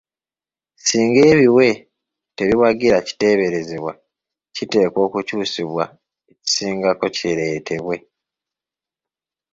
Singa ebiwe tebiwagira kiteeberezebwa, kiteekwa okukyusibwa ekisingako kireetebwe.